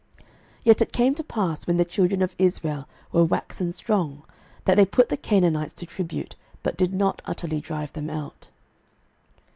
06:017:013 Yet it came to pass, when the children of Israel were waxen strong, that they put the Canaanites to tribute, but did not utterly drive them out.